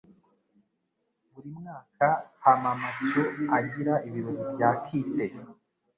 Buri mwaka Hamamatsu agira ibirori bya kite.